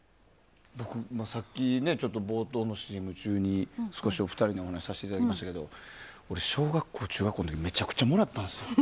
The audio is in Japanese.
僕、さっきちょっと冒頭のＣＭ中に少し、お二人にお話しさせていただきましたけど俺、小学校、中学校の時めちゃくちゃもらったんですよ。